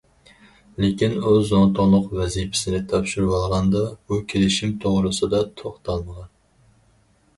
لېكىن ئۇ زۇڭتۇڭلۇق ۋەزىپىسىنى تاپشۇرۇۋالغاندا، بۇ كېلىشىم توغرىسىدا توختالمىغان.